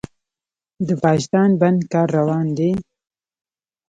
د پاشدان بند کار روان دی؟